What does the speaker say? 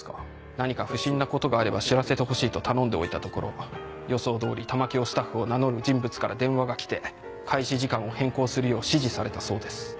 何か不審なことがあれば知らせてほしいと頼んでおいたところ予想通り玉響スタッフを名乗る人物から電話が来て開始時間を変更するよう指示されたそうです。